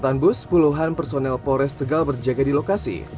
selatan bus puluhan personel pores tegal berjaga di lokasi